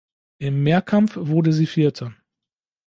Im Mehrkampf wurde sie Vierte.